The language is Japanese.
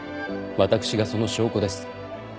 私がその証拠です。